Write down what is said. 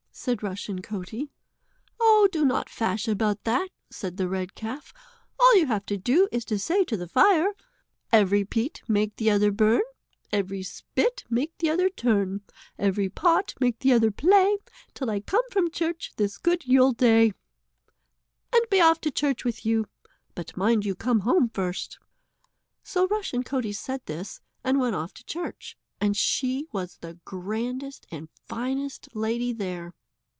said Rushen Coatie. "Oh, do not fash about that," said the red calf, "all you have to do is to say to the fire: "'Every peat make t'other burn, Every spit make t'other turn, Every pot make t'other play, Till I come from church this good Yuleday,' and be off to church with you. But mind you come home first." So Rushen Coatie said this, and went off to church, and she was the grandest and finest lady there.